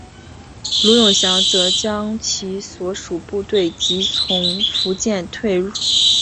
卢永祥则将其所属部队及从福建退入浙江的皖军组成淞沪联军与之对抗。